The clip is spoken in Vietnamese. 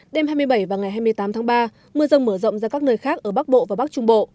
đêm hai mươi bảy và ngày hai mươi tám tháng ba mưa rông mở rộng ra các nơi khác ở bắc bộ và bắc trung bộ